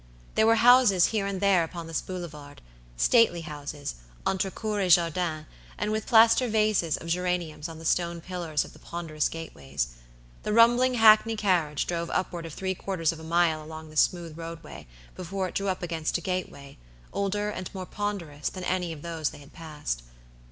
There were houses here and there upon this boulevard; stately houses, entre cour et jardin, and with plaster vases of geraniums on the stone pillars of the ponderous gateways. The rumbling hackney carriage drove upward of three quarters of a mile along this smooth roadway before it drew up against a gateway, older and more ponderous than any of those they had passed.